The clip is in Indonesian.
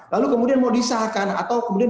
lalu kemudian mau disahkan atau kemudian